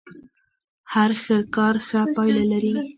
هر ښه کار ښه پايله لري.